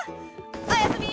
おやすみ！